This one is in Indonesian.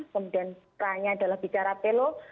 kemudian kera nya adalah bicara pelo